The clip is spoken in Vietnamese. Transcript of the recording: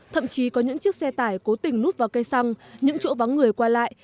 thậm chí có những chiếc xe tải cố tình lút vào cây xăng những chỗ vắng người qua lại